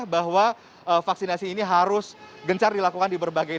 bahwa vaksinasi ini harus gencar dilakukan di berbagai